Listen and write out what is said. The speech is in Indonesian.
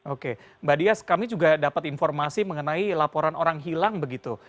oke mbak dias kami juga dapat informasi mengenai laporan orang hilang begitu